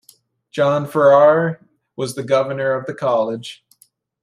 John Farrar was the governor of the college.